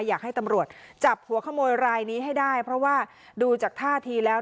อยากให้ตำรวจจับหัวขโมยรายนี้ให้ได้เพราะว่าดูจากท่าทีแล้ว